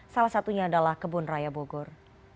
salah satunya adalah kebun raya bogor